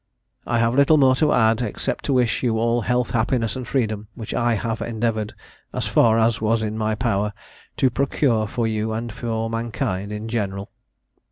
] "I have little more to add, except to wish you all health, happiness, and freedom, which I have endeavoured, as far as was in my power, to procure for you and for mankind in general."